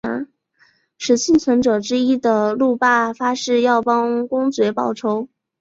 使幸存者之一的路霸发誓要帮公爵报仇。